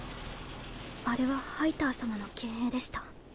あれはハイター様の幻影でした。